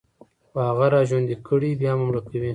خو هغه راژوندي كړئ، بيا مو مړه کوي